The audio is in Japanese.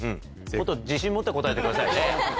もっと自信持って答えてくださいね。